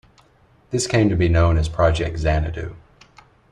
This came to be known as Project Xanadu.